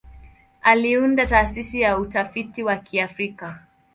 Aliunda Taasisi ya Utafiti wa Kiafrika.